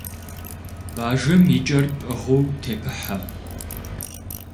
Бажэм и кӀэр пӀыгъыу тепыхьэ.